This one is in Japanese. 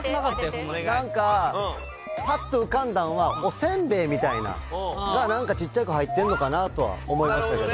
なんか、ぱっと浮かんだんは、おせんべいみたいな、なんか小っちゃく入ってんのかなとは思いましたけど。